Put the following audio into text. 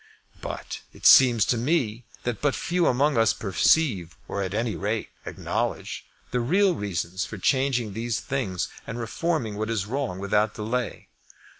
But it seems to me that but few among us perceive, or at any rate acknowledge, the real reasons for changing these things and reforming what is wrong without delay.